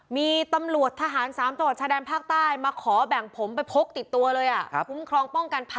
มีตำรวจทหารสามจอดชาแดนภาคใต้มาขอแบ่งผมไปพกติดตัวเลยอ่ะ